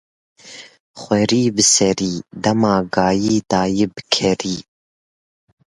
Xwerî bi serî, dema gayî dayî bi kerî